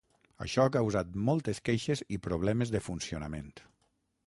Això ha causat moltes queixes i problemes de funcionament.